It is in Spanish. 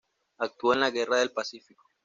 Actuó en la Guerra del Pacífico.